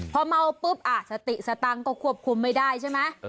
พอเมาปุ๊บสติสตังค์ก็ควบคุมไม่ได้ใช่ไหม